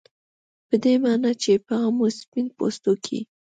په دې معنا چې په عامو سپین پوستو کې